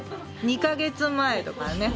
２カ月前とかね。